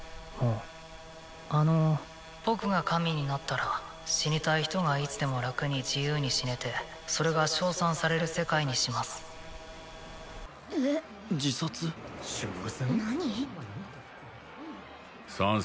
もうあの僕が神になったら死にたい人がいつでも楽に自由に死ねてそれが称賛される世界にしますえっ自殺称賛？